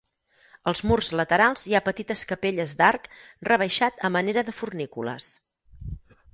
Als murs laterals hi ha petites capelles d'arc rebaixat a manera de fornícules.